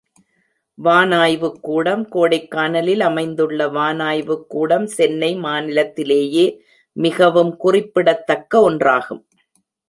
வானாய்வுக்கூடம் கோடைக்கானலில் அமைந்துள்ள வானாய்வுக் கூடம் சென்னை மாநிலத்திலேயே மிகவும் குறிப்பிடத் தக்க ஒன்றாகும்.